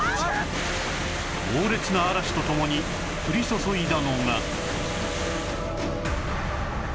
猛烈な嵐と共に降り注いだのが